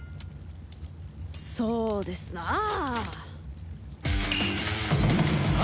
そうですなあ。